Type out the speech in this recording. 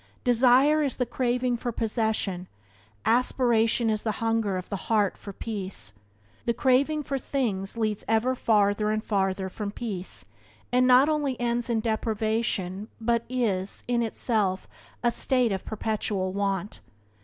Desire is the craving for possession: aspiration is the hunger of the heart for peace. The craving for things leads ever farther and farther from peace, and not only ends in deprivation but is, in itself, a state of perpetual want.